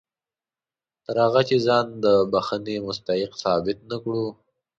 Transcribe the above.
تر هغه چې ځان د بښنې مستحق ثابت نه کړو.